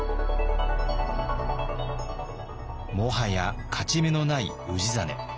もはや勝ち目のない氏真。